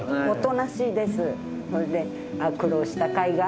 おとなしいです。